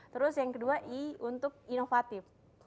terus yang kedua i untuk inovatif